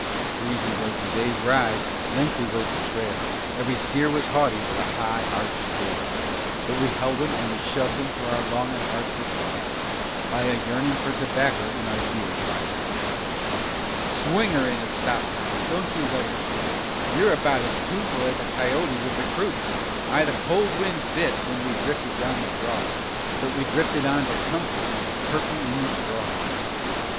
"_ Freezy was the day's ride, lengthy was the trail, Ev'ry steer was haughty with a high arched tail, But we held 'em and we shoved 'em, for our longin' hearts were tried By a yearnin' for tobacker and our dear fireside. Swing 'er into stop time, don't you let 'er droop! (You're about as tuneful as a coyote with the croup!) Ay, the cold wind bit when we drifted down the draw, _But we drifted on to comfort and to "Turkey in the Straw."